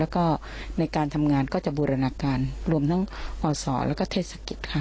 แล้วก็ในการทำงานก็จะบูรณาการรวมทั้งอศแล้วก็เทศกิจค่ะ